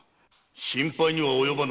・心配には及ばぬ。